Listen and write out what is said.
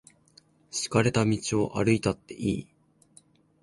敷かれた道を歩いたっていい。